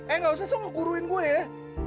eh nggak usah lo ngeguruin gue ya